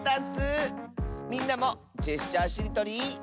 みんなも「ジェスチャーしりとり」。